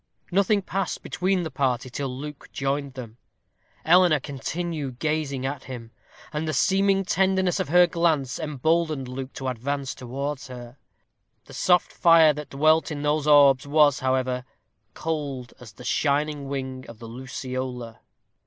Nothing passed between the party till Luke joined them. Eleanor continued gazing at him, and the seeming tenderness of her glance emboldened Luke to advance towards her. The soft fire that dwelt in those orbs was, however, cold as the shining wing of the luciola.